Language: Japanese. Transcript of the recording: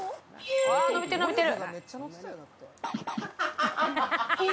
伸びてる伸びてる。